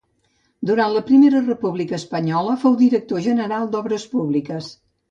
Durant la Primera República Espanyola fou director general d'Obres Públiques.